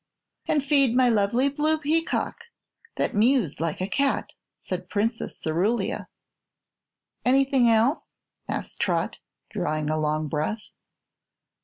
"And feed my lovely blue peacock that mews like a cat," said Princess Cerulia. "Anything else?" asked Trot, drawing a long breath.